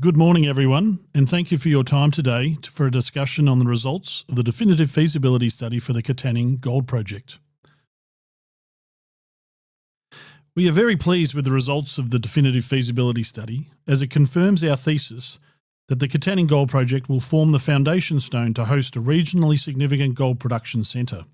Good morning, everyone, and thank you for your time today for a discussion on the results of the Definitive Feasibility Study for the Katanning Gold Project. We are very pleased with the results of the Definitive Feasibility Study, as it confirms our thesis that the Katanning Gold Project will form the foundation stone to host a regionally significant gold production centre.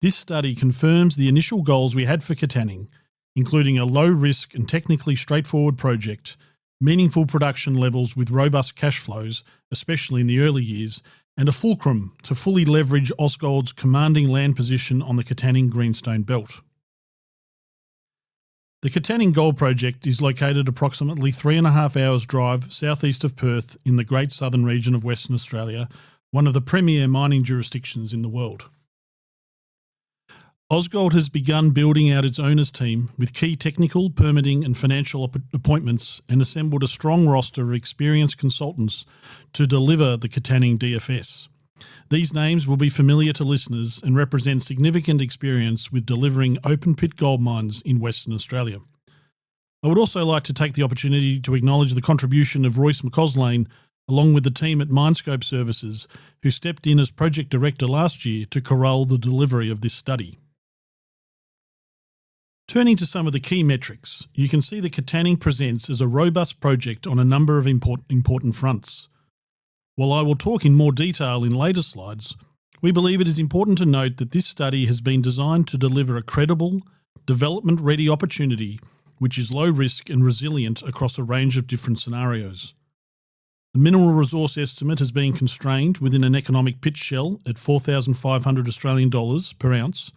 This study confirms the initial goals we had for Katanning, including a low-risk and technically straightforward project, meaningful production levels with robust cash flows, especially in the early years, and a fulcrum to fully leverage Ausgold's commanding land position on the Katanning Greenstone Belt. The Katanning Gold Project is located approximately 3.5 hours' drive southeast of Perth in the Great Southern region of Western Australia, one of the premier mining jurisdictions in the world. Ausgold has begun building out its owners' team with key technical, permitting, and financial appointments and assembled a strong roster of experienced consultants to deliver the Katanning DFS. These names will be familiar to listeners and represent significant experience with delivering open-pit gold mines in Western Australia. I would also like to take the opportunity to acknowledge the contribution of Royce McAuslane, along with the team at MineScope Services, who stepped in as Project Director last year to corral the delivery of this study. Turning to some of the key metrics, you can see that Katanning presents as a robust project on a number of important fronts. While I will talk in more detail in later slides, we believe it is important to note that this study has been designed to deliver a credible development-ready opportunity, which is low-risk and resilient across a range of different scenarios. The mineral resource estimate has been constrained within an economic pit shell at 4,500 Australian dollars per ounce,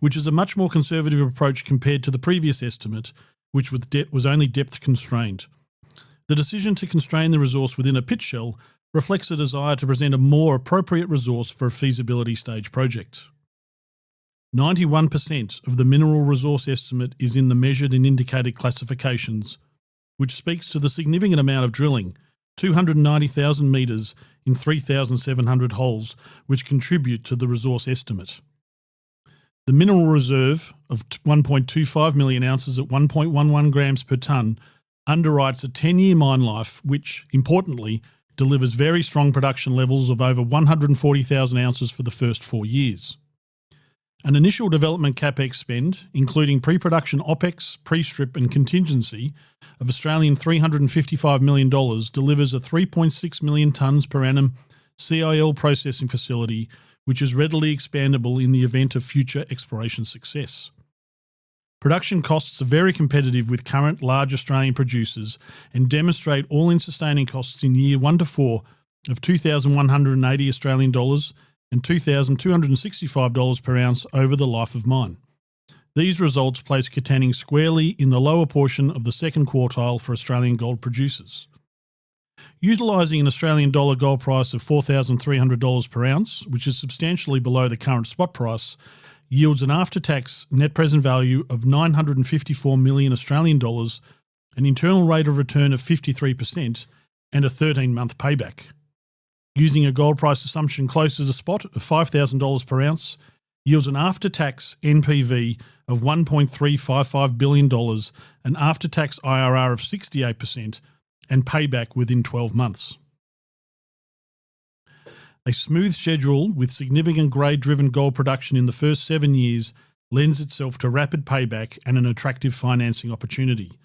which is a much more conservative approach compared to the previous estimate, which was only depth constrained. The decision to constrain the resource within a pit shell reflects a desire to present a more appropriate resource for a feasibility stage project. 91% of the mineral resource estimate is in the measured and indicated classifications, which speaks to the significant amount of drilling—290,000 m in 3,700 holes—which contribute to the resource estimate. The mineral reserve of 1.25 million ounces at 1.11 grams per tonne underwrites a 10-year mine life which, importantly, delivers very strong production levels of over 140,000 ounces for the first four years. An initial development CapEx spend, including pre-production OpEx, pre-strip, and contingency of 355 million Australian dollars, delivers a 3.6 million tonnes per annum CIL processing facility, which is readily expandable in the event of future exploration success. Production costs are very competitive with current large Australian producers and demonstrate all in sustaining costs in year 1-4 of 2,180 Australian dollars and 2,265 dollars per ounce over the life of mine. These results place Katanning squarely in the lower portion of the second quartile for Australian gold producers. Utilising an Australian dollar gold price of 4,300 dollars per ounce, which is substantially below the current spot price, yields an after-tax net present value of 954 million Australian dollars, an internal rate of return of 53%, and a 13-month payback. Using a gold price assumption closer to spot of 5,000 dollars per ounce, yields an after-tax NPV of 1.355 billion dollars, an after-tax IRR of 68%, and payback within 12 months. A smooth schedule with significant grade-driven gold production in the first seven years lends itself to rapid payback and an attractive financing opportunity.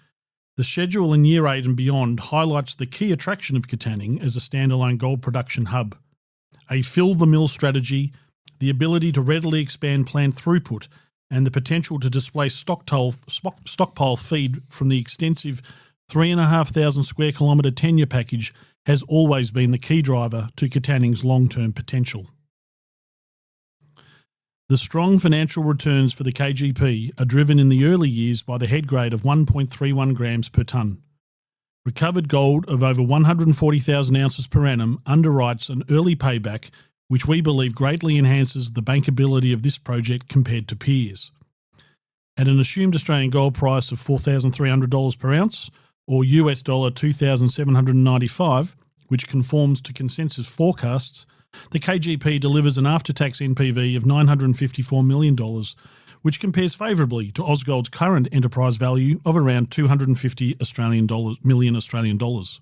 The schedule in year eight and beyond highlights the key attraction of Katanning as a standalone gold production hub. A fill-the-mill strategy, the ability to readily expand planned throughput, and the potential to displace stockpile feed from the extensive 3,500 sq km tenure package has always been the key driver to Katanning's long-term potential. The strong financial returns for the KGP are driven in the early years by the head grade of 1.31 grams per tonne. Recovered gold of over 140,000 ounces per annum underwrites an early payback, which we believe greatly enhances the bankability of this project compared to peers. At an assumed Australian gold price of 4,300 dollars per ounce, or $2,795, which conforms to consensus forecasts, the KGP delivers an after-tax NPV of 954 million dollars, which compares favorably to Ausgold's current enterprise value of around 250 million Australian dollars.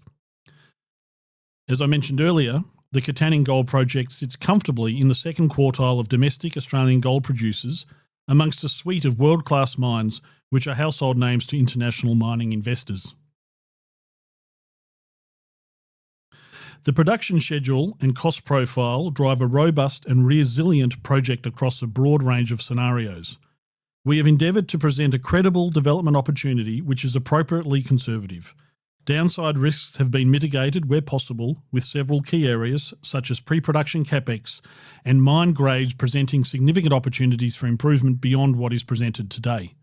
As I mentioned earlier, the Katanning Gold Project sits comfortably in the second quartile of domestic Australian gold producers amongst a suite of world-class mines which are household names to international mining investors. The production schedule and cost profile drive a robust and resilient project across a broad range of scenarios. We have endeavored to present a credible development opportunity which is appropriately conservative. Downside risks have been mitigated where possible with several key areas such as pre-production CapEx and mine grades presenting significant opportunities for improvement beyond what is presented today.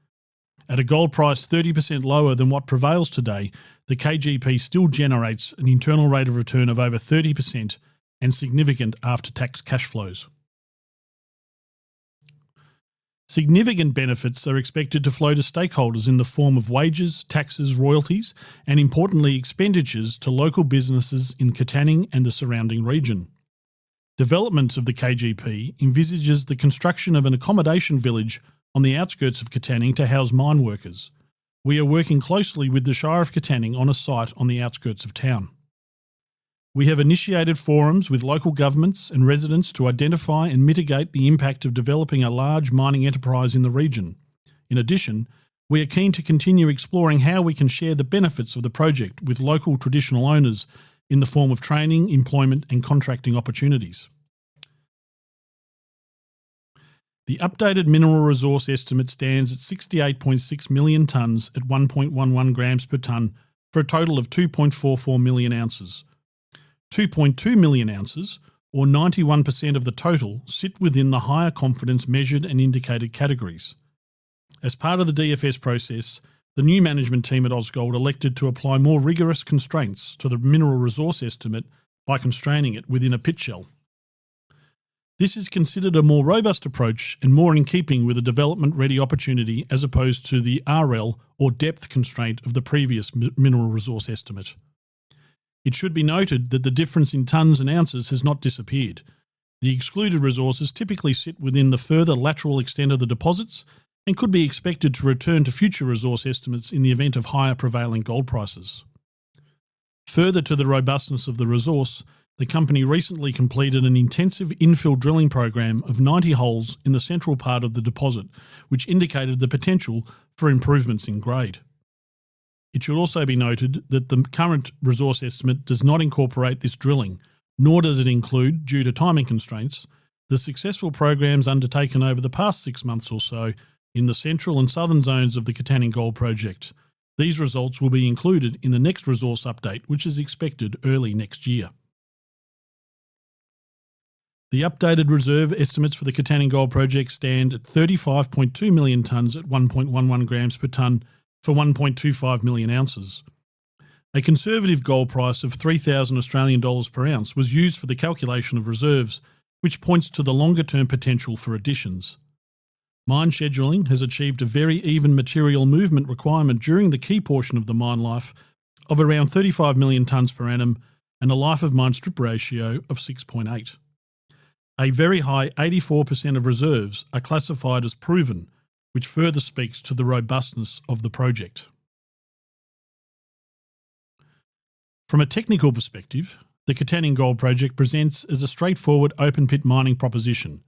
At a gold price 30% lower than what prevails today, the KGP still generates an internal rate of return of over 30% and significant after-tax cash flows. Significant benefits are expected to flow to stakeholders in the form of wages, taxes, royalties, and importantly, expenditures to local businesses in Katanning and the surrounding region. Development of the KGP envisages the construction of an accommodation village on the outskirts of Katanning to house mine workers. We are working closely with the Shire of Katanning on a site on the outskirts of town. We have initiated forums with local governments and residents to identify and mitigate the impact of developing a large mining enterprise in the region. In addition, we are keen to continue exploring how we can share the benefits of the project with local traditional owners in the form of training, employment, and contracting opportunities. The updated mineral resource estimate stands at 68.6 million tonnes at 1.11 grams per tonne for a total of 2.44 million ounces. 2.2 million ounces, or 91% of the total, sit within the higher confidence measured and indicated categories. As part of the DFS process, the new management team at Ausgold elected to apply more rigorous constraints to the mineral resource estimate by constraining it within a pit shell. This is considered a more robust approach and more in keeping with a development-ready opportunity as opposed to the RL or depth constraint of the previous mineral resource estimate. It should be noted that the difference in tonnes and ounces has not disappeared. The excluded resources typically sit within the further lateral extent of the deposits and could be expected to return to future resource estimates in the event of higher prevailing gold prices. Further to the robustness of the resource, the company recently completed an intensive infill drilling program of 90 holes in the central part of the deposit, which indicated the potential for improvements in grade. It should also be noted that the current resource estimate does not incorporate this drilling, nor does it include, due to timing constraints, the successful programs undertaken over the past six months or so in the central and southern zones of the Katanning Gold Project. These results will be included in the next resource update, which is expected early next year. The updated reserve estimates for the Katanning Gold Project stand at 35.2 million tonnes at 1.11 grams per tonne for 1.25 million ounces. A conservative gold price of 3,000 Australian dollars per ounce was used for the calculation of reserves, which points to the longer-term potential for additions. Mine scheduling has achieved a very even material movement requirement during the key portion of the mine life of around 35 million tonnes per annum and a life-of-mine strip ratio of 6.8. A very high 84% of reserves are classified as proven, which further speaks to the robustness of the project. From a technical perspective, the Katanning Gold Project presents as a straightforward open-pit mining proposition.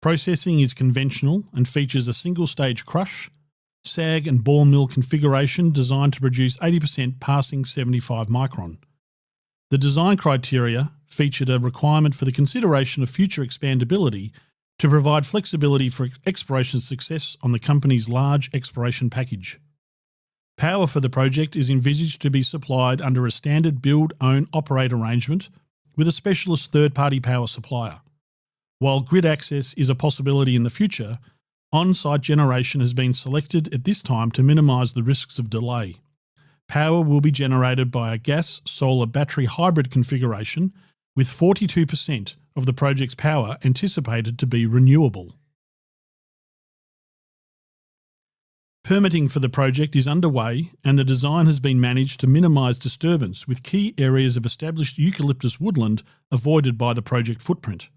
Processing is conventional and features a single-stage crush, SAG, and ball mill configuration designed to produce 80% passing 75 micron. The design criteria feature a requirement for the consideration of future expandability to provide flexibility for exploration success on the company's large exploration package. Power for the project is envisaged to be supplied under a standard build-own-operate arrangement with a specialist third-party power supplier. While grid access is a possibility in the future, on-site generation has been selected at this time to minimize the risks of delay. Power will be generated by a gas-solar-battery hybrid configuration, with 42% of the project's power anticipated to be renewable. Permitting for the project is underway, and the design has been managed to minimize disturbance, with key areas of established eucalyptus woodland avoided by the project footprint.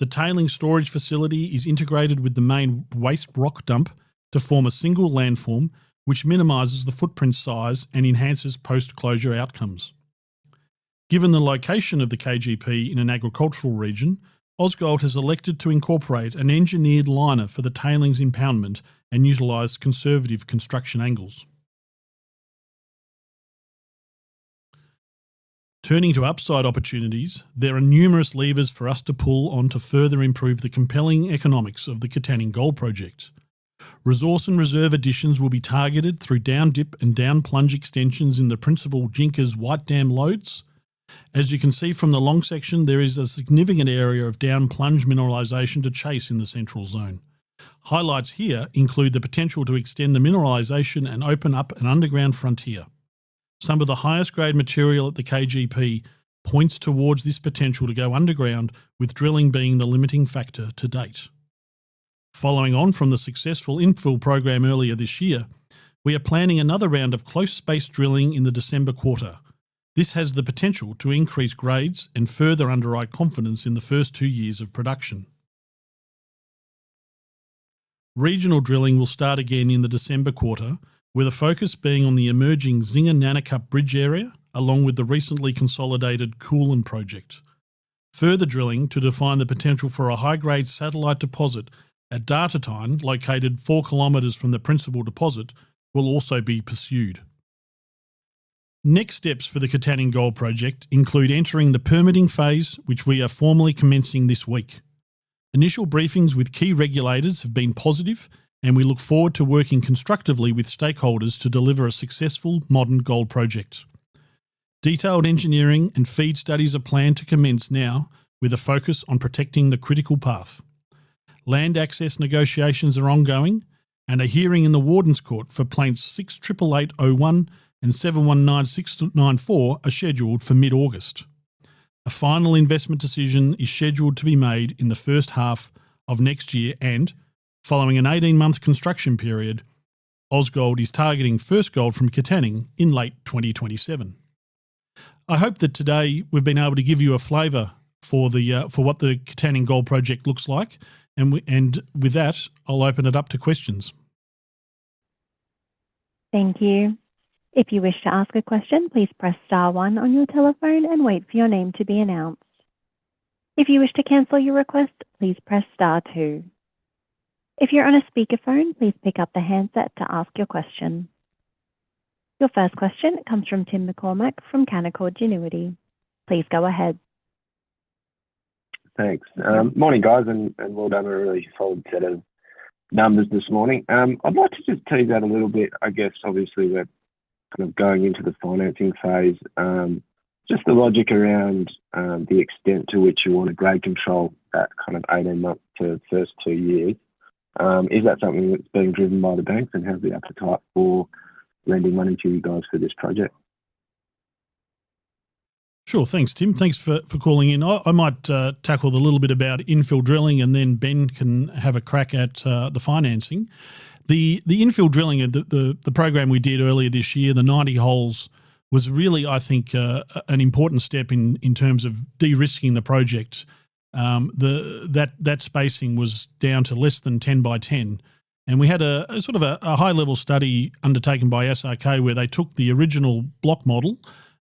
The tailings storage facility is integrated with the main waste rock dump to form a single landform, which minimizes the footprint size and enhances post-closure outcomes. Given the location of the KGP in an agricultural region, Ausgold has elected to incorporate an engineered liner for the tailings impoundment and utilize conservative construction angles. Turning to upside opportunities, there are numerous levers for us to pull on to further improve the compelling economics of the Katanning Gold Project. Resource and reserve additions will be targeted through down-dip and down-plunge extensions in the principal Jinkas-White Dam lodes. As you can see from the long section, there is a significant area of down-plunge mineralization to chase in the central zone. Highlights here include the potential to extend the mineralization and open up an underground frontier. Some of the highest-grade material at the KGP points towards this potential to go underground, with drilling being the limiting factor to date. Following on from the successful infill program earlier this year, we are planning another round of close-space drilling in the December quarter. This has the potential to increase grades and further underwrite confidence in the first two years of production. Regional drilling will start again in the December quarter, with a focus being on the emerging Zinger Nanicup Bridge area, along with the recently consolidated Kulin Project. Further drilling to define the potential for a high-grade satellite deposit at Datatine, located 4 km from the principal deposit, will also be pursued. Next steps for the Katanning Gold Project include entering the permitting phase, which we are formally commencing this week. Initial briefings with key regulators have been positive, and we look forward to working constructively with stakeholders to deliver a successful modern gold project. Detailed engineering and FEED studies are planned to commence now, with a focus on protecting the critical path. Land access negotiations are ongoing, and a hearing in the Wardens Court for plaints 688801 and 719694 are scheduled for mid-August. A final investment decision is scheduled to be made in the first half of next year and, following an 18-month construction period, Ausgold is targeting first gold from Katanning in late 2027. I hope that today we've been able to give you a flavor for what the Katanning Gold Project looks like, and with that, I'll open it up to questions. Thank you. If you wish to ask a question, please press star one on your telephone and wait for your name to be announced. If you wish to cancel your request, please press star two. If you're on a speakerphone, please pick up the handset to ask your question. Your first question comes from Tim McCormack from Canaccord Genuity. Please go ahead. Thanks. Morning, guys, and well done on a really solid set of numbers this morning. I'd like to just tease out a little bit, I guess, obviously, we're kind of going into the financing phase. Just the logic around the extent to which you want to grade control that kind of 18-month to first two years. Is that something that's being driven by the banks and has the appetite for lending money to you guys for this project? Sure, thanks, Tim. Thanks for calling in. I might tackle the little bit about infill drilling, and then Ben can have a crack at the financing. The infill drilling, the program we did earlier this year, the 90 holes, was really, I think, an important step in terms of de-risking the project. That spacing was down to less than 10 by 10, and we had a sort of a high-level study undertaken by SRK where they took the original block model,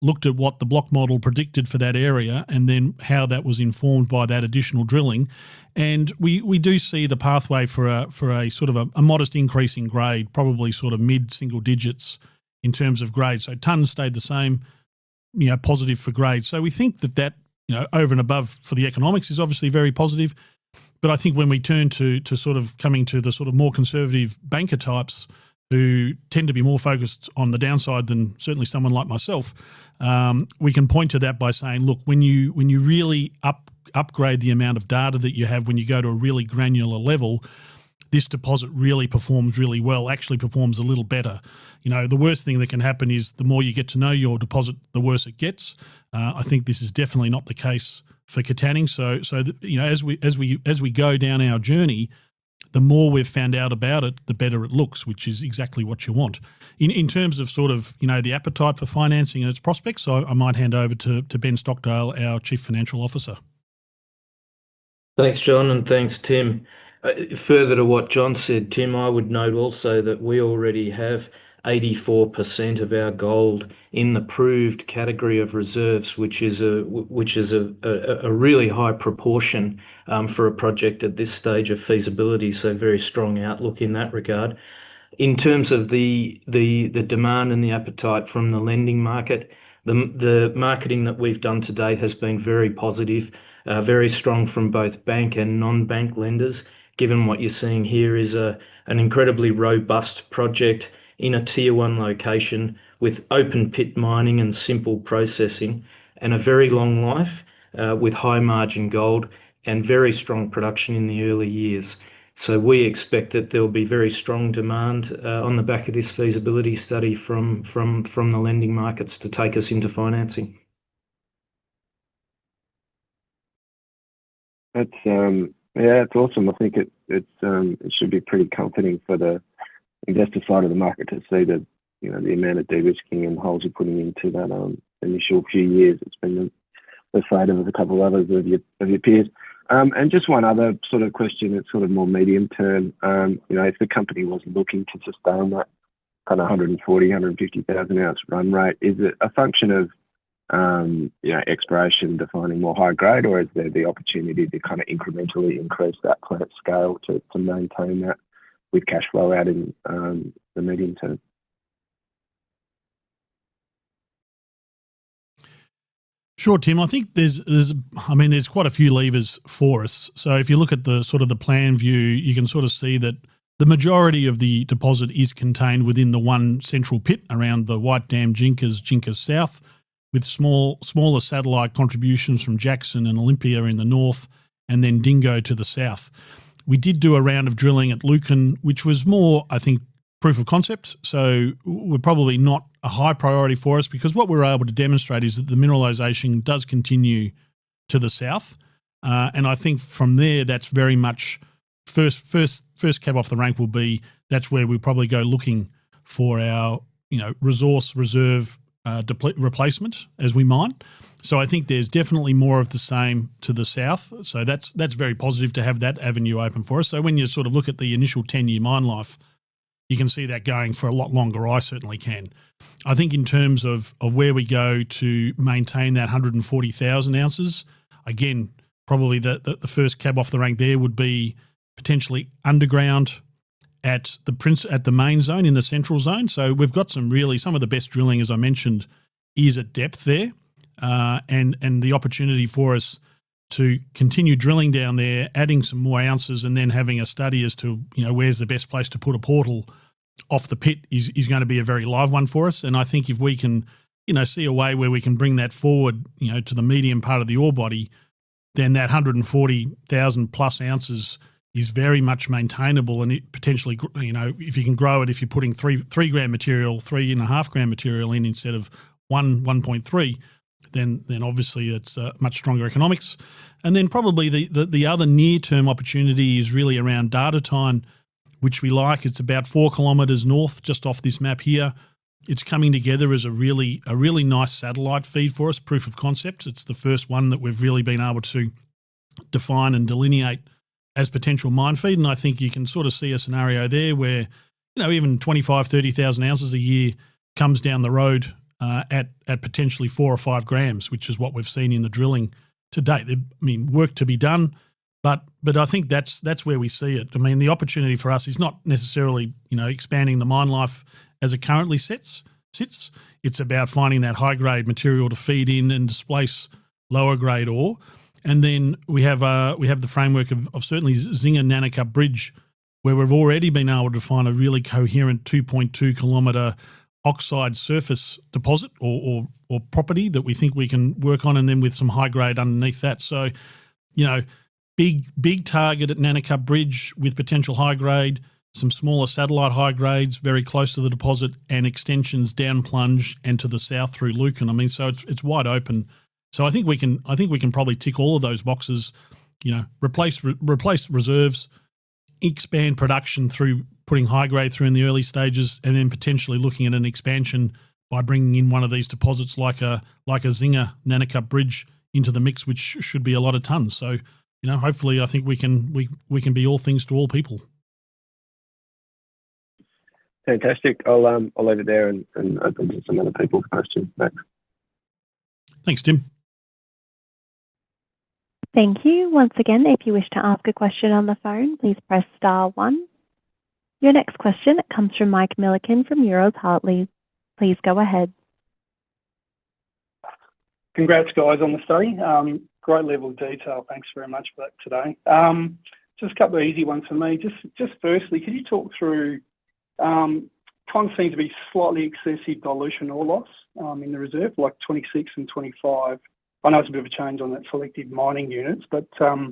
looked at what the block model predicted for that area, and then how that was informed by that additional drilling. We do see the pathway for a sort of a modest increase in grade, probably sort of mid-single digits in terms of grade. Tonnes stayed the same, positive for grade. We think that that over and above for the economics is obviously very positive. I think when we turn to sort of coming to the sort of more conservative banker types who tend to be more focused on the downside than certainly someone like myself, we can point to that by saying, look, when you really upgrade the amount of data that you have when you go to a really granular level, this deposit really performs really well, actually performs a little better. The worst thing that can happen is the more you get to know your deposit, the worse it gets. I think this is definitely not the case for Katanning. As we go down our journey, the more we've found out about it, the better it looks, which is exactly what you want. In terms of sort of the appetite for financing and its prospects, I might hand over to Ben Stockdale, our Chief Financial Officer. Thanks, John, and thanks, Tim. Further to what John said, Tim, I would note also that we already have 84% of our gold in the proved category of reserves, which is a really high proportion for a project at this stage of feasibility. Very strong outlook in that regard. In terms of the demand and the appetite from the lending market, the marketing that we have done to date has been very positive, very strong from both bank and non-bank lenders, given what you are seeing here is an incredibly robust project in a tier-one location with open-pit mining and simple processing and a very long life with high-margin gold and very strong production in the early years. We expect that there will be very strong demand on the back of this feasibility study from the lending markets to take us into financing. Yeah, it is awesome. I think it should be pretty comforting for the investor side of the market to see the amount of de-risking and the holes you're putting into that initial few years. It's been the fate of a couple of others of your peers. Just one other sort of question that's sort of more medium term. If the company was looking to sustain that kind of 140,000-150,000-ounce run rate, is it a function of exploration defining more high grade, or is there the opportunity to kind of incrementally increase that plant scale to maintain that with cash flow out in the medium term? Sure, Tim. I mean, there's quite a few levers for us. If you look at the sort of the plan view, you can sort of see that the majority of the deposit is contained within the one central pit around the White Dam Jinkas, Jinkas South, with smaller satellite contributions from Jackson and Olympia in the north, and then Dingo to the south. We did do a round of drilling at Lucan, which was more, I think, proof of concept. We are probably not a high priority for us because what we are able to demonstrate is that the mineralisation does continue to the south. I think from there, that is very much first cab off the rank will be that is where we probably go looking for our resource reserve replacement, as we might. I think there is definitely more of the same to the south. That is very positive to have that avenue open for us. When you sort of look at the initial 10-year mine life, you can see that going for a lot longer. I certainly can. I think in terms of where we go to maintain that 140,000 ounces, again, probably the first cab off the rank there would be potentially underground at the main zone in the central zone. We've got some really some of the best drilling, as I mentioned, is at depth there. The opportunity for us to continue drilling down there, adding some more ounces, and then having a study as to where's the best place to put a portal off the pit is going to be a very live one for us. I think if we can see a way where we can bring that forward to the medium part of the ore body, then that 140,000+ ounces is very much maintainable. Potentially, if you can grow it, if you're putting 3 gram material, 3.5 gram material in instead of 1.3 gram, then obviously it is much stronger economics. Probably the other near-term opportunity is really around Datatine, which we like. It is about 4 km north just off this map here. It is coming together as a really nice satellite feed for us, proof of concept. It is the first one that we have really been able to define and delineate as potential mine feed. I think you can sort of see a scenario there where even 25,000-30,000 ounces a year comes down the road at potentially 4 or 5 gram, which is what we have seen in the drilling to date. I mean, work to be done, but I think that is where we see it. I mean, the opportunity for us is not necessarily expanding the mine life as it currently sits. It's about finding that high-grade material to feed in and displace lower-grade ore. Then we have the framework of certainly Zinger Nanicup Bridge, where we've already been able to find a really coherent 2.2 km oxide surface deposit or property that we think we can work on, and then with some high grade underneath that. Big target at Nanicup Bridge with potential high grade, some smaller satellite high grades very close to the deposit and extensions down plunge and to the south through Lucan. I mean, it's wide open. I think we can probably tick all of those boxes, replace reserves, expand production through putting high grade through in the early stages, and then potentially looking at an expansion by bringing in one of these deposits like a Zinger Nanicup bridge into the mix, which should be a lot of tonnes. Hopefully I think we can be all things to all people. Fantastic. I'll leave it there and open to some other people's questions. Thanks, Tim. Thank you. Once again, if you wish to ask a question on the phone, please press star one. Your next question comes from [Mike Millican] from Euroz Hartleys. Please go ahead. Congrats, guys, on the study. Great level of detail. Thanks very much for that today. Just a couple of easy ones for me. Just firstly, could you talk through times seem to be slightly excessive dilution or loss in the reserve, like 26 and 25? I know it's a bit of a change on that selective mining units, but could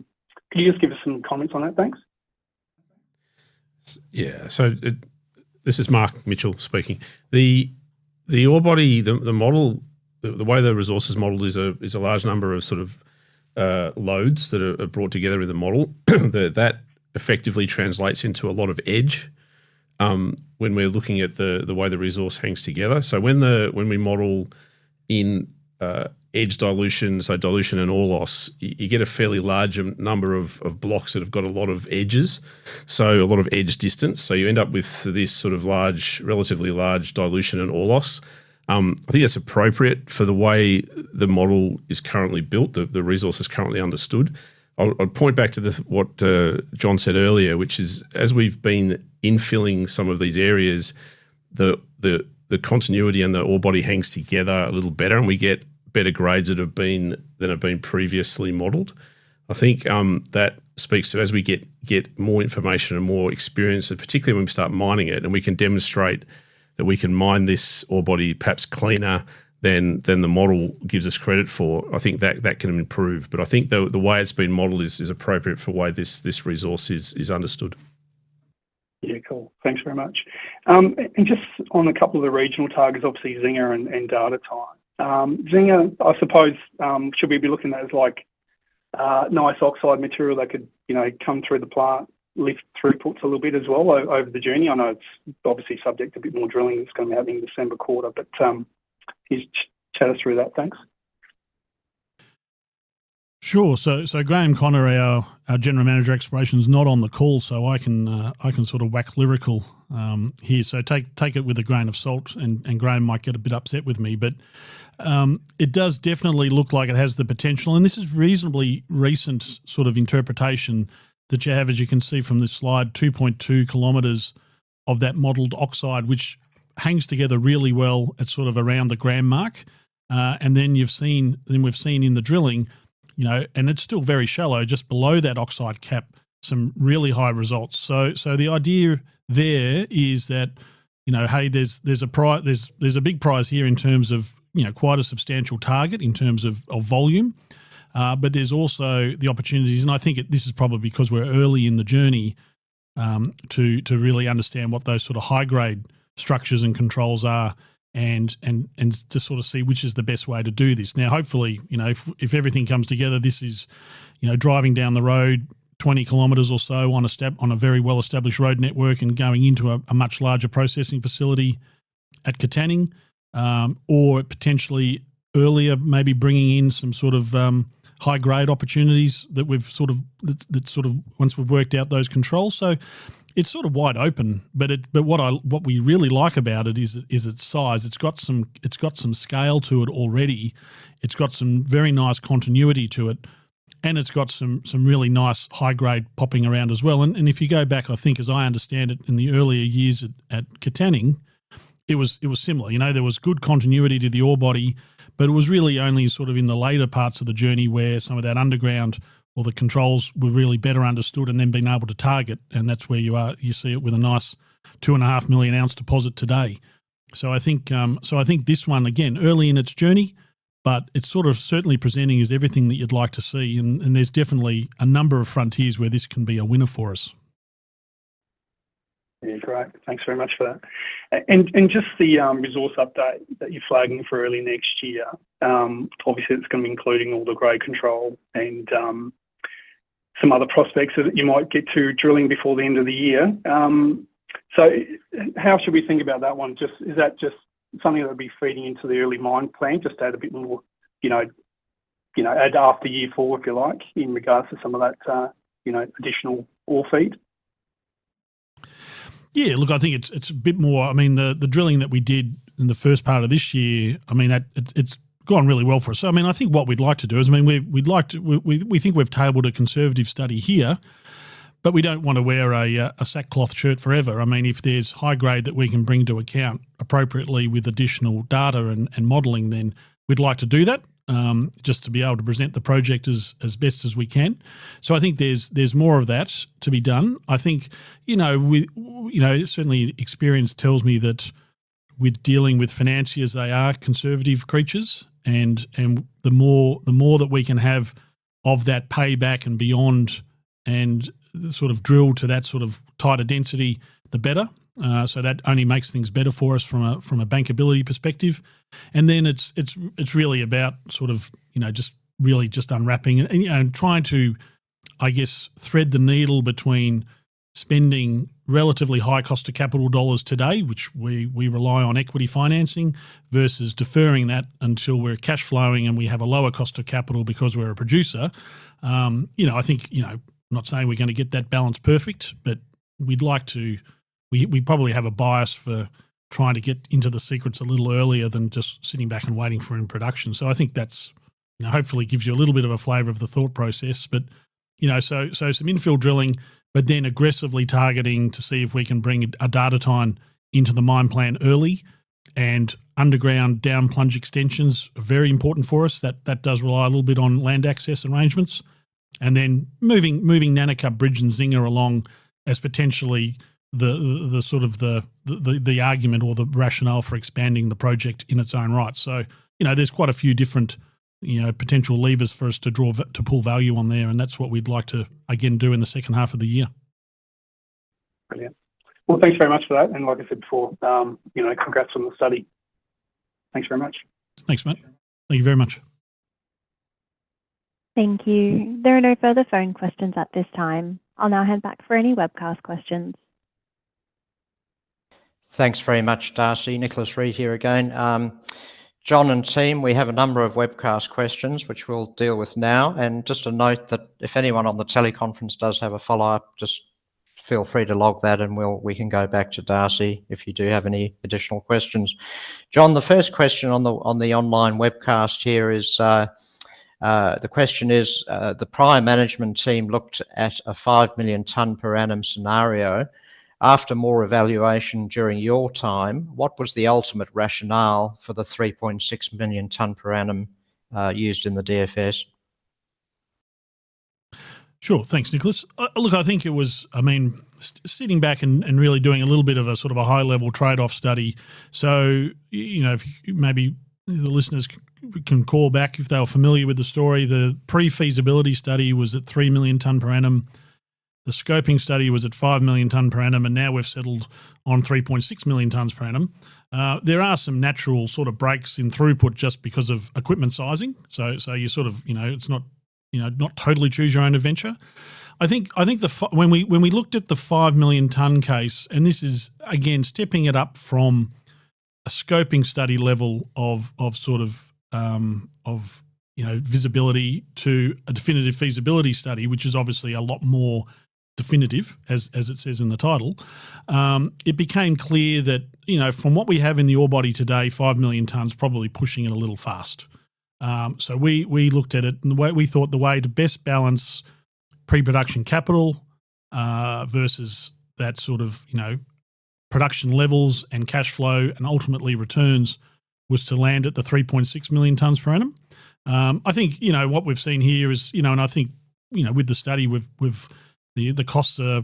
you just give us some comments on that? Thanks. Yeah. So this is Mark Mitchell speaking. The ore body, the model, the way the resource is modeled is a large number of sort of lodes that are brought together in the model. That effectively translates into a lot of edge when we're looking at the way the resource hangs together. When we model in edge dilution, so dilution and ore loss, you get a fairly large number of blocks that have got a lot of edges, so a lot of edge distance. You end up with this sort of large, relatively large dilution and ore loss. I think that's appropriate for the way the model is currently built, the resource is currently understood. I'd point back to what John said earlier, which is as we've been infilling some of these areas, the continuity and the ore body hangs together a little better, and we get better grades than have been previously modelled. I think that speaks to as we get more information and more experience, and particularly when we start mining it, and we can demonstrate that we can mine this ore body perhaps cleaner than the model gives us credit for, I think that can improve. I think the way it's been modelled is appropriate for why this resource is understood. Yeah, cool. Thanks very much. Just on a couple of the regional targets, obviously Zinger and data time. Zinger, I suppose, should we be looking at as nice oxide material that could come through the plant, lift throughputs a little bit as well over the journey? I know it's obviously subject to a bit more drilling that's going to be happening in December quarter, but can you chat us through that? Thanks. Sure. Graham Conner, our General Manager of Exploration, is not on the call, so I can sort of wax lyrical here. Take it with a grain of salt, and Graham might get a bit upset with me, but it does definitely look like it has the potential. This is reasonably recent sort of interpretation that you have, as you can see from this slide, 2.2 km of that modelled oxide, which hangs together really well at sort of around the gram mark. Then you've seen, then we've seen in the drilling, and it's still very shallow, just below that oxide cap, some really high results. The idea there is that, hey, there's a big prize here in terms of quite a substantial target in terms of volume, but there's also the opportunities. I think this is probably because we're early in the journey to really understand what those sort of high-grade structures and controls are and to sort of see which is the best way to do this. Now, hopefully, if everything comes together, this is driving down the road 20 km or so on a very well-established road network and going into a much larger processing facility at Katanning, or potentially earlier, maybe bringing in some sort of high-grade opportunities that we've sort of once we've worked out those controls. It's sort of wide open, but what we really like about it is its size. It's got some scale to it already. It's got some very nice continuity to it, and it's got some really nice high-grade popping around as well. If you go back, I think, as I understand it, in the earlier years at Katanning, it was similar. There was good continuity to the ore body, but it was really only in the later parts of the journey where some of that underground or the controls were really better understood and then being able to target. That's where you see it with a nice 2.5 million ounce deposit today. I think this one, again, early in its journey, but it's certainly presenting as everything that you'd like to see. There is definitely a number of frontiers where this can be a winner for us. Yeah, great. Thanks very much for that. Just the resource update that you are flagging for early next year, obviously, it is going to be including all the grade control and some other prospects that you might get to drilling before the end of the year. How should we think about that one? Is that just something that would be feeding into the early mine plan to start a bit more at after year four, if you like, in regards to some of that additional ore feed? Yeah, look, I think it is a bit more. I mean, the drilling that we did in the first part of this year, I mean, it has gone really well for us. I mean, I think what we'd like to do is, I mean, we'd like to, we think we've tabled a conservative study here, but we don't want to wear a sackcloth shirt forever. I mean, if there's high grade that we can bring to account appropriately with additional data and modelling, then we'd like to do that just to be able to present the project as best as we can. I think there's more of that to be done. I think certainly experience tells me that with dealing with financiers, they are conservative creatures. The more that we can have of that payback and beyond and sort of drill to that sort of tighter density, the better. That only makes things better for us from a bankability perspective. It is really about just unwrapping and trying to, I guess, thread the needle between spending relatively high cost of capital dollars today, which we rely on equity financing versus deferring that until we are cash flowing and we have a lower cost of capital because we are a producer. I think I am not saying we are going to get that balance perfect, but we would like to. We probably have a bias for trying to get into the secrets a little earlier than just sitting back and waiting for in production. I think that hopefully gives you a little bit of a flavour of the thought process. Some infill drilling, but then aggressively targeting to see if we can bring a data time into the mine plan early and underground down plunge extensions are very important for us. That does rely a little bit on land access arrangements. And then moving Nanicup Bridge and Zinger along as potentially the sort of the argument or the rationale for expanding the project in its own right. There are quite a few different potential levers for us to draw to pull value on there. That is what we'd like to, again, do in the second half of the year. Brilliant. Thank you very much for that. Like I said before, congrats on the study. Thank you very much. Thanks, Matt. Thank you very much. Thank you. There are no further phone questions at this time. I'll now hand back for any webcast questions. Thank you very much, Darcy. Nicholas Reed here again. John and team, we have a number of webcast questions, which we'll deal with now. Just a note that if anyone on the teleconference does have a follow-up, just feel free to log that and we can go back to Darcy if you do have any additional questions. John, the first question on the online webcast here is the question is the prior management team looked at a 5 million tonne per annum scenario. After more evaluation during your time, what was the ultimate rationale for the 3.6 million tonne per annum used in the DFS? Sure. Thanks, Nicholas. Look, I think it was, I mean, sitting back and really doing a little bit of a sort of a high-level trade-off study. Maybe the listeners can call back if they're familiar with the story. The pre-feasibility study was at 3 million tonne per annum. The scoping study was at 5 million tonne per annum. Now we've settled on 3.6 million tonnes. There are some natural sort of breaks in throughput just because of equipment sizing. You sort of, it's not totally choose your own adventure. I think when we looked at the 5 million tonne case, and this is again stepping it up from a scoping study level of sort of visibility to a definitive feasibility study, which is obviously a lot more definitive, as it says in the title, it became clear that from what we have in the ore body today, 5 million tonnes, probably pushing it a little fast. We looked at it and we thought the way to best balance pre-production capital versus that sort of production levels and cash flow and ultimately returns was to land at the 3.6 million tonnes. I think what we've seen here is, and I think with the study, the costs are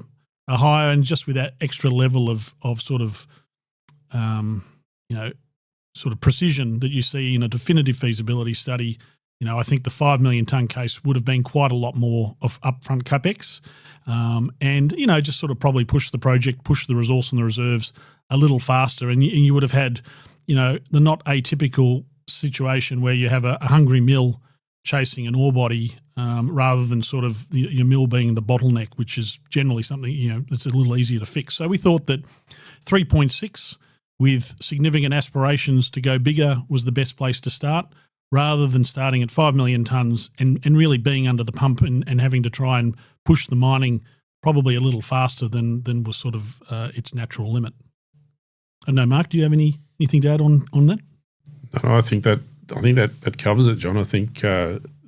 higher. With that extra level of sort of precision that you see in a definitive feasibility study, I think the 5 million tonne case would have been quite a lot more of upfront CapEx and just sort of probably push the project, push the resource and the reserves a little faster. You would have had the not atypical situation where you have a hungry mill chasing an ore body rather than sort of your mill being the bottleneck, which is generally something that's a little easier to fix. We thought that 3.6 with significant aspirations to go bigger was the best place to start rather than starting at 5 million tonnes and really being under the pump and having to try and push the mining probably a little faster than was sort of its natural limit. I don't know, Mark, do you have anything to add on that? I think that covers it, John. I think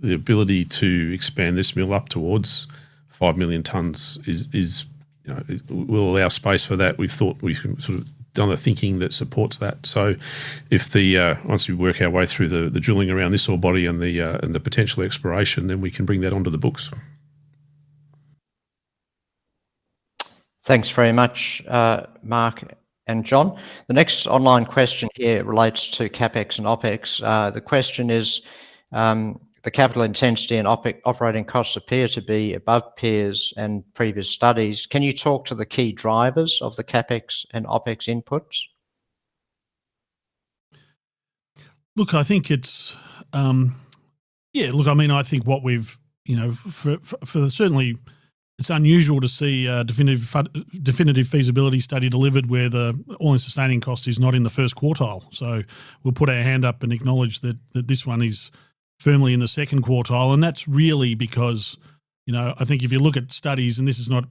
the ability to expand this mill up towards 5 million tonnes will allow space for that. We've thought we've sort of done the thinking that supports that. Once we work our way through the drilling around this ore body and the potential exploration, then we can bring that onto the books. Thanks very much, Mark and John. The next online question here relates to CapEx and OpEx. The question is the capital intensity and operating costs appear to be above peers and previous studies. Can you talk to the key drivers of the CapEx and OpEx inputs? Look, I think it's, yeah, look, I mean, I think what we've, for certainly, it's unusual to see a Definitive Feasibility Study delivered where the all in sustaining cost is not in the first quartile. We will put our hand up and acknowledge that this one is firmly in the second quartile. That is really because I think if you look at studies, and this is not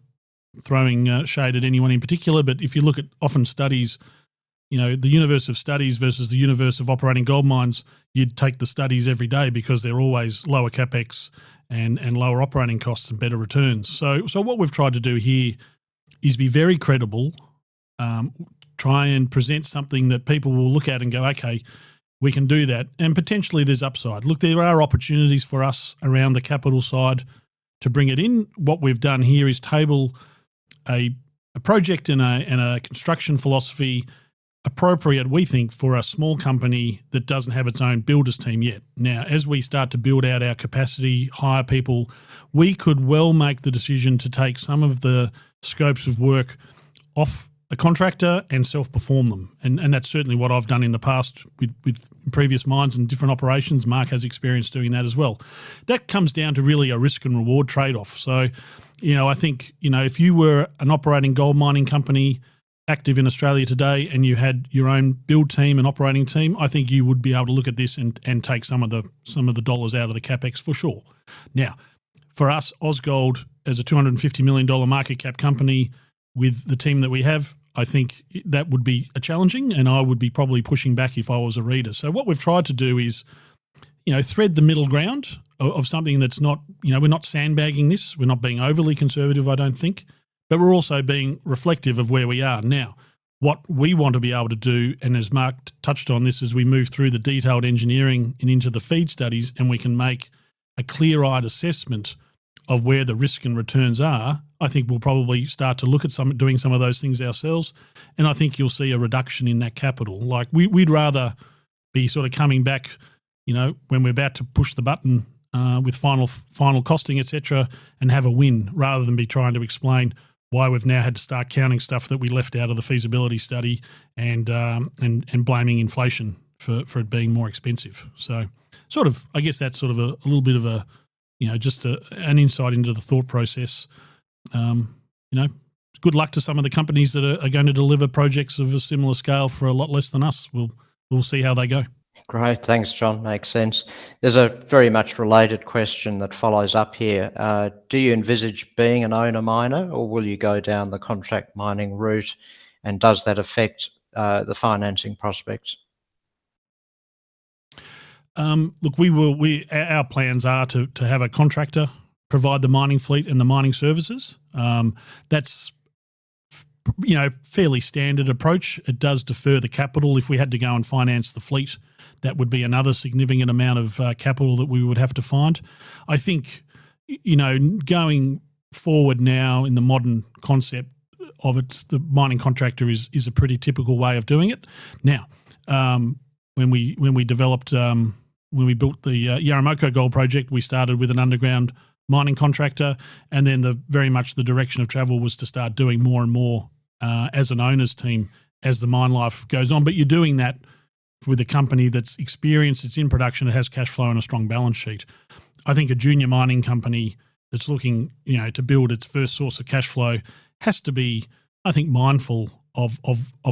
throwing shade at anyone in particular, but if you look at often studies, the universe of studies versus the universe of operating gold mines, you would take the studies every day because they are always lower CapEx and lower operating costs and better returns. What we have tried to do here is be very credible, try and present something that people will look at and go, "Okay, we can do that." Potentially there is upside. Look, there are opportunities for us around the capital side to bring it in. What we've done here is table a project and a construction philosophy appropriate, we think, for a small company that doesn't have its own builders team yet. Now, as we start to build out our capacity, hire people, we could well make the decision to take some of the scopes of work off a contractor and self-perform them. That is certainly what I've done in the past with previous mines and different operations. Mark has experience doing that as well. That comes down to really a risk and reward trade-off. I think if you were an operating gold mining company active in Australia today and you had your own build team and operating team, I think you would be able to look at this and take some of the dollars out of the CapEx for sure. Now, for us, Ausgold, as a 250 million dollar market cap company with the team that we have, I think that would be challenging, and I would be probably pushing back if I was a reader. What we've tried to do is thread the middle ground of something that's not, we're not sandbagging this. We're not being overly conservative, I don't think, but we're also being reflective of where we are. Now, what we want to be able to do, and as Mark touched on this, as we move through the detailed engineering and into the feed studies, and we can make a clear-eyed assessment of where the risk and returns are, I think we'll probably start to look at doing some of those things ourselves. I think you'll see a reduction in that capital. We'd rather be sort of coming back when we're about to push the button with final costing, etc., and have a win rather than be trying to explain why we've now had to start counting stuff that we left out of the feasibility study and blaming inflation for it being more expensive. I guess that's sort of a little bit of just an insight into the thought process. Good luck to some of the companies that are going to deliver projects of a similar scale for a lot less than us. We'll see how they go. Great. Thanks, John. Makes sense. There's a very much related question that follows up here. Do you envisage being an owner miner, or will you go down the contract mining route, and does that affect the financing prospects? Look, our plans are to have a contractor provide the mining fleet and the mining services. That's a fairly standard approach. It does defer the capital. If we had to go and finance the fleet, that would be another significant amount of capital that we would have to find. I think going forward now in the modern concept of it, the mining contractor is a pretty typical way of doing it. Now, when we developed, when we built the Yaramoko Gold Project, we started with an underground mining contractor, and then very much the direction of travel was to start doing more and more as an owners team as the mine life goes on. You're doing that with a company that's experienced, it's in production, it has cash flow and a strong balance sheet. I think a junior mining company that's looking to build its first source of cash flow has to be, I think, mindful of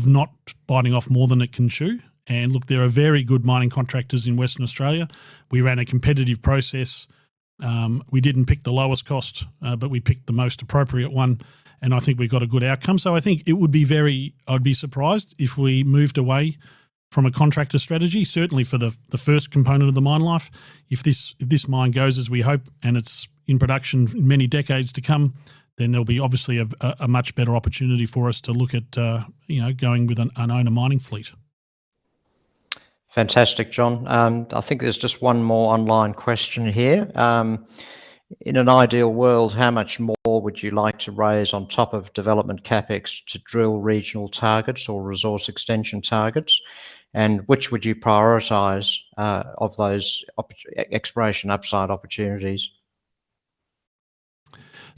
not biting off more than it can chew. Look, there are very good mining contractors in Western Australia. We ran a competitive process. We didn't pick the lowest cost, but we picked the most appropriate one, and I think we've got a good outcome. I think it would be very, I'd be surprised if we moved away from a contractor strategy, certainly for the first component of the mine life. If this mine goes as we hope and it's in production in many decades to come, then there will be obviously a much better opportunity for us to look at going with an owner mining fleet. Fantastic, John. I think there's just one more online question here. In an ideal world, how much more would you like to raise on top of development CapEx to drill regional targets or resource extension targets? And which would you prioritize of those exploration upside opportunities?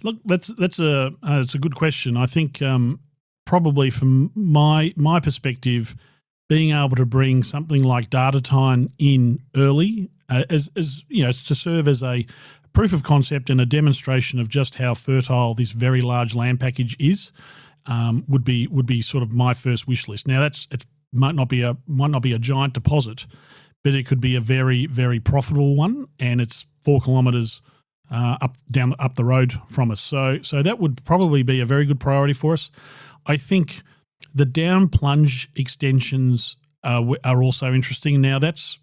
Look, that's a good question. I think probably from my perspective, being able to bring something like Datatine in early to serve as a proof of concept and a demonstration of just how fertile this very large land package is would be sort of my first wish list. Now, that might not be a giant deposit, but it could be a very, very profitable one, and it's 4 km up the road from us. That would probably be a very good priority for us. I think the down plunge extensions are also interesting. That is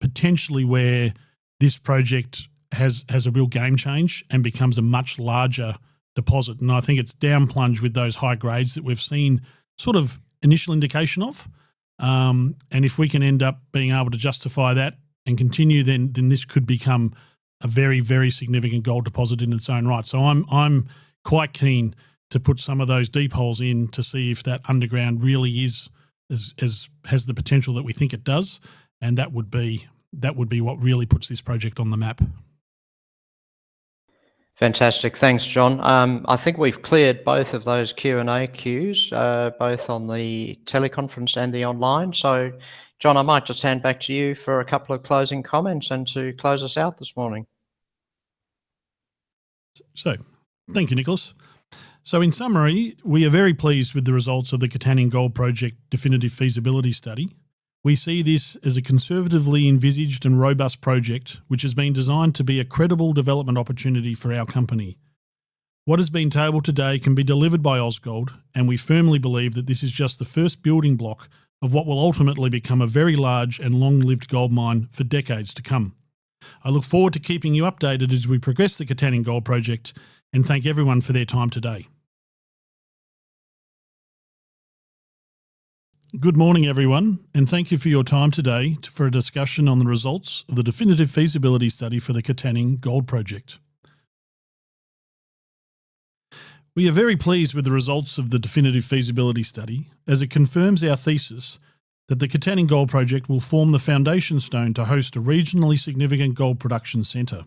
potentially where this project has a real game change and becomes a much larger deposit. I think it's down plunge with those high grades that we've seen sort of initial indication of. If we can end up being able to justify that and continue, then this could become a very, very significant gold deposit in its own right. I'm quite keen to put some of those deep holes in to see if that underground really has the potential that we think it does. That would be what really puts this project on the map. Fantastic. Thanks, John. I think we've cleared both of those Q&A queues, both on the teleconference and the online. John, I might just hand back to you for a couple of closing comments and to close us out this morning. Thank you, Nicholas. In summary, we are very pleased with the results of the Katanning Gold Project Definitive Feasibility Study. We see this as a conservatively envisaged and robust project, which has been designed to be a credible development opportunity for our company. What has been tabled today can be delivered by Ausgold, and we firmly believe that this is just the first building block of what will ultimately become a very large and long-lived gold mine for decades to come. I look forward to keeping you updated as we progress the Katanning Gold Project and thank everyone for their time today. Good morning, everyone, and thank you for your time today for a discussion on the results of the definitive feasibility study for the Katanning Gold Project. We are very pleased with the results of the definitive feasibility study as it confirms our thesis that the Katanning Gold Project will form the foundation stone to host a regionally significant gold production center.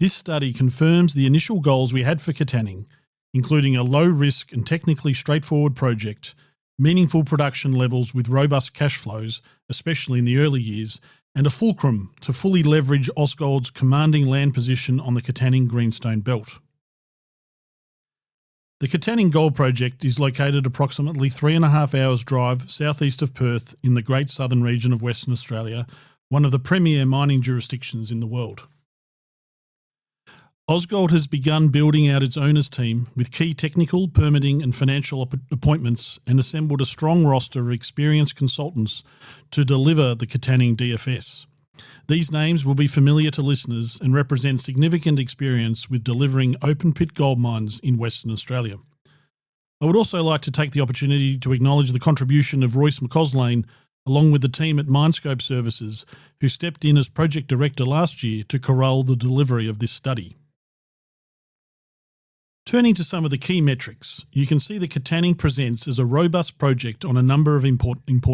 This study confirms the initial goals we had for Katanning, including a low-risk and technically straightforward project, meaningful production levels with robust cash flows, especially in the early years, and a fulcrum to fully leverage Ausgold's commanding land position on the Katanning Greenstone Belt. The Katanning Gold Project is located approximately 3.5 hours' drive southeast of Perth in the Great Southern region of Western Australia, one of the premier mining jurisdictions in the world. Ausgold has begun building out its owners team with key technical, permitting, and financial appointments and assembled a strong roster of experienced consultants to deliver the Katanning DFS. These names will be familiar to listeners and represent significant experience with delivering open-pit gold mines in Western Australia. I would also like to take the opportunity to acknowledge the contribution of Royce McAuslane, along with the team at MineScope Services, who stepped in as project director last year to corral the delivery of this study. Turning to some of the key metrics, you can see that Katanning presents as a robust project on a number of important.